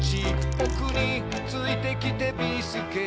「ぼくについてきてビーすけ」